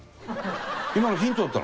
今のヒントだったの？